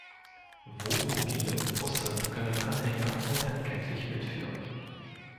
Wohnmobile und Busse können Anhänger unentgeltlich mitführen.